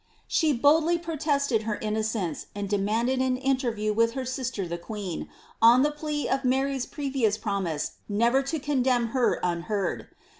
*' She boldly protested her innocence, and demanded an interview witk her sister the queen, on the plea of Mary's previous promise never to condemn her unheard.